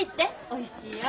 おいしいよ。